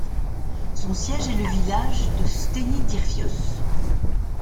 Son siège est le village de Steni Dirfyos.